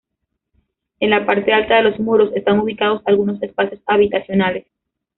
En la parte alta de los muros están ubicados algunos espacios habitacionales.